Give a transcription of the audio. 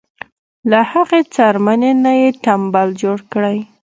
له هغې څرمنې نه یې تمبل جوړ کړی.